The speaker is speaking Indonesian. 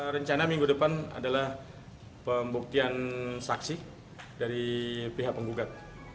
rencana minggu depan adalah pembuktian saksi dari pihak penggugat